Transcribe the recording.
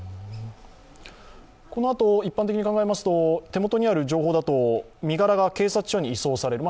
このあと一般的に考えますと、手元にある情報だと身柄が警察署に移送される。